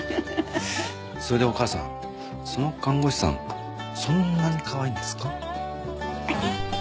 それでお母さんその看護師さんそんなにかわいいんですか？